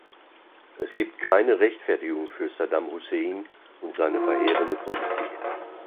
Es gibt keine Rechtfertigung für Saddam Hussein und seine verheerende Politik.